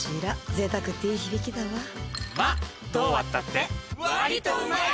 贅沢っていい響きだわまどう割ったって割とうまい！！